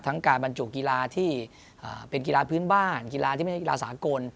การบรรจุกีฬาที่เป็นกีฬาพื้นบ้านกีฬาที่ไม่ใช่กีฬาสากล